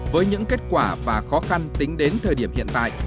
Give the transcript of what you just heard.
với những kết quả và khó khăn tính đến thời điểm hiện tại